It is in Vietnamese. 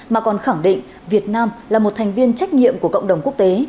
mà còn khẳng định việt nam là một thành viên trách nhiệm của cộng đồng quốc tế